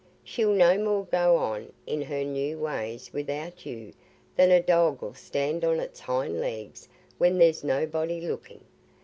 She'll no more go on in her new ways without you than a dog 'ull stand on its hind legs when there's nobody looking.